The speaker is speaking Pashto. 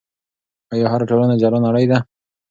آیا هره ټولنه جلا نړۍ ده؟